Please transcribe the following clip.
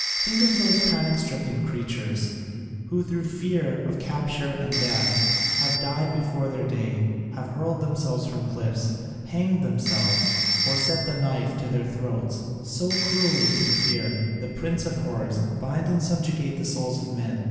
Think of those panic stricken creatures who through fear of capture and death have died before their day, have hurled themselves from cliffs, hanged themselves, or set the knife to their throats; so cruelly can fear, the prince of horrors, bind and subjugate the souls of men.